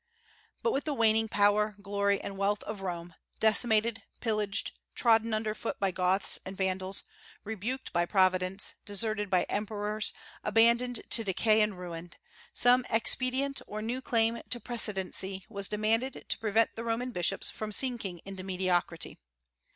But with the waning power, glory, and wealth of Rome, decimated, pillaged, trodden under foot by Goths and Vandals, rebuked by Providence, deserted by emperors, abandoned to decay and ruin, some expedient or new claim to precedency was demanded to prevent the Roman bishops from sinking into mediocrity.